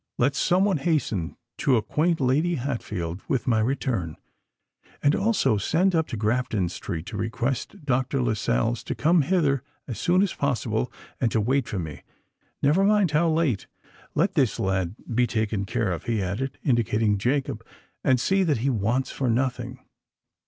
Let some one hasten to acquaint Lady Hatfield with my return; and also send up to Grafton Street to request Dr. Lascelles to come hither as soon as possible, and to wait for me—never mind how late. Let this lad be taken care of," he added, indicating Jacob: "and see that he wants for nothing."